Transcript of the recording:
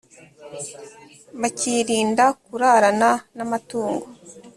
bakirinda kurarana n amatungo